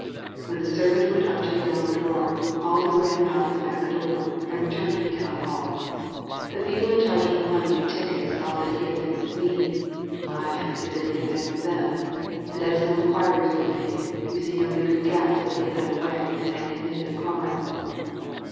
When the servant went up to the Yellow Boudoir, Alder ran out of the back door, and returned to the Town HalL The people in charge of the money and tickets thought tliat he had been with me, I fancied he had been with them, and as no inquiries were made, you see nobody could guess that he had been away and had committed a crime."